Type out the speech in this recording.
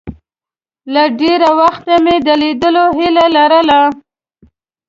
له ډېره وخته مې د لیدلو هیله لرله.